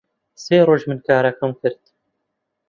سێ ڕۆژ من کارەکەم کرد